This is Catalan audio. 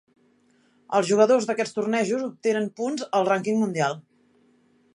Els jugadors d'aquests tornejos obtenen punts al rànquing mundial.